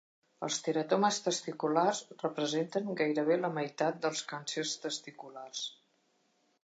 Els teratomes testiculars representen gairebé la meitat dels càncers testiculars.